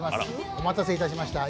お待たせいたしました。